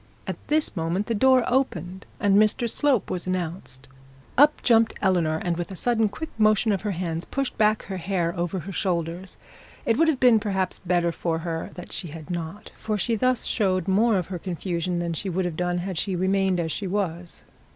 At this moment the door opened, and Mr Slope was announced. Up jumped Eleanor, and with a sudden quick motion of her hands pushed back her hair over her shoulders. It would have been perhaps better for her that she had not, for she thus showed more of her confusion than she would have done had she remained as she was.